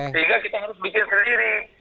sehingga kita harus bikin sendiri